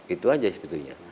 itu saja sebetulnya